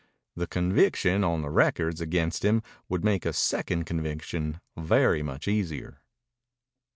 The conviction on the records against him would make a second conviction very much easier.